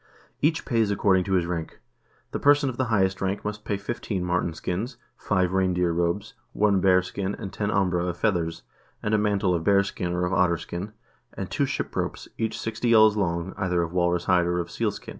Each pays according to his rank. The person of the highest rank must pay fifteen marten skins, five reindeer robes, one bear skin, and ten ambra of feathers, and a mantle of bear skin or of otter skin, and two ship ropes, each sixty ells long, either of walrus hide or of sealskin."